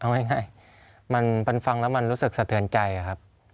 ใช่มันฟันฟังแล้วมันรู้สึกสะเทือนใจครับ